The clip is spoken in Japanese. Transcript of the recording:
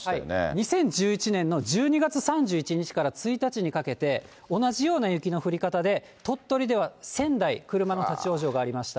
２０１１年の１２月３１日から１日にかけて、同じような雪の降り方で、鳥取では１０００台車の立往生がありました。